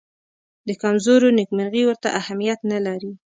د کمزورو نېکمرغي ورته اهمیت نه لري.